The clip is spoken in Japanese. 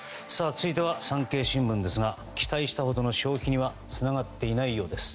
続いては産経新聞ですが期待したほどの消費にはつながっていないようです。